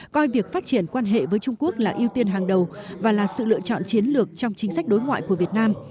coi việc phát triển quan hệ với trung quốc là ưu tiên hàng đầu và là sự lựa chọn chiến lược trong chính sách đối ngoại của việt nam